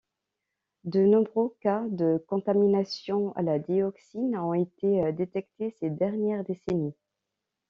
De nombreux cas de contaminations à la dioxine ont été détectés ces dernières décennies.